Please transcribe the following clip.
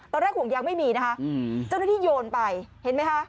ห่วงยางไม่มีนะคะเจ้าหน้าที่โยนไปเห็นไหมคะ